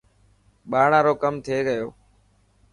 ٻاڙا رو ڪم ٿي گيو.